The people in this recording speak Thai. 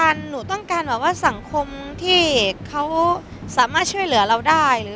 ใช่นะหนูต้องการสังคมที่เขาสามารถเชื่อเหลือเราได้